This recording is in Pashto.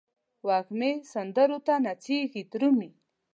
وږمې سندرو ته نڅیږې درومې